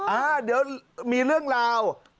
อ่าเดี๋ยวมีเรื่องราว